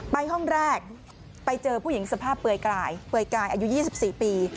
ไปห้องแรกไปเจอผู้หญิงสภาพเปลือยกายอายุ๒๔ปี